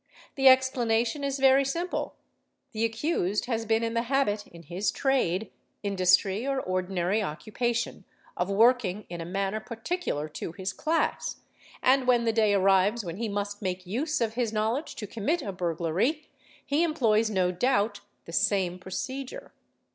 The explanation is very simple; the accused has been in the habit in his trade, industry, or ordinary occupation, of working in a manner particular to | his class, and, when the day arrives when he must make use of his know ledge to commit a burglary, he employs no doubt the same procedure.